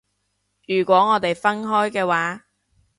如果我哋分開嘅話